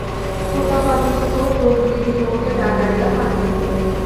প্রতাপাদিত্য প্রহরীদিগকে ডাকাইয়া পাঠাইলেন।